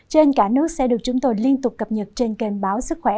trên cả nước sẽ được chúng tôi liên tục cập nhật trên kênh báo sức khỏe